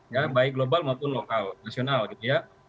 ya baik global maupun lokal nasional gitu ya